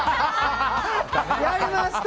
やりました。